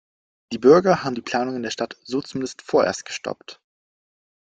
Die Bürger haben die Planungen der Stadt so zumindest vorerst gestoppt.